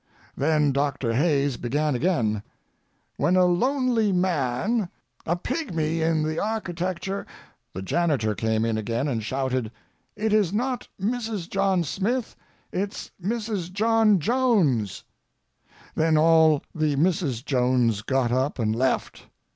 Then Doctor Hayes began again: "When a lonely man, a pigmy in the architecture—" The janitor came in again and shouted: "It is not Mrs. John Smith! It is Mrs. John Jones!" Then all the Mrs. Jones got up and left.